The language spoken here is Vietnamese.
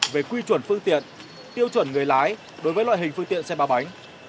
về quy chuẩn phương tiện tiêu chuẩn người lái đối với loại hình phương tiện xe ba bánh